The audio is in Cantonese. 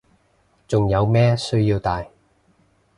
仲有咩需要戴